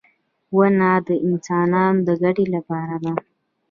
• ونه د انسانانو د ګټې لپاره ده.